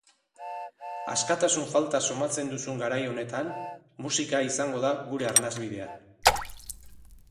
Askatasun falta somatzen dugun garai honetan, musika izango da gure arnasbidea.